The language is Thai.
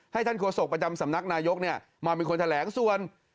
ให้ท่านครัวศกประจำสำนักนายกเนี้ยมาเป็นคนแถลงส่วน